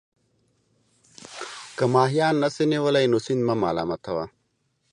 که ماهيان نسې نيولى، نو سيند مه ملامت وه.